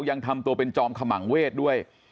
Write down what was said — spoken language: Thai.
ยังทำตัวเป็นจอมขมังเวทด้วย